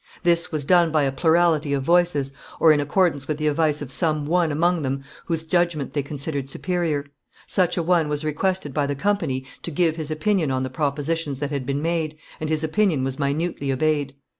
This was done by a plurality of voices, or in accordance with the advice of some one among them whose judgment they considered superior; such a one was requested by the company to give his opinion on the propositions that had been made, and his opinion was minutely obeyed.